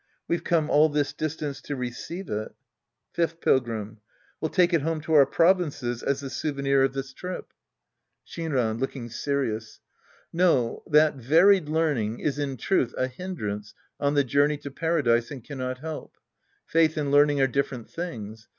We've come all this distance to receive it. Fifth Pilgrim. We'll take it home to our prov. inces as the souvenir of this trip. Act II The Priest and His Disciples 69 Shinran {looking serious). No, that^^ie^earning is in truth a hindrance on the journey to Paradise and cannot help. Faith and learning are different tilings.